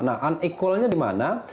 unequal nya di mana